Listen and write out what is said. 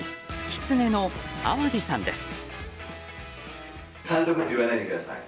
きつねの淡路さんです。